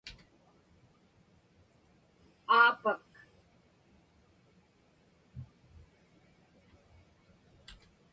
aapak